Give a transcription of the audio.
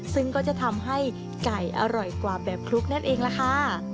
ซึ่งก็จะทำให้ไก่อร่อยกว่าแบบคลุกนั่นเองล่ะค่ะ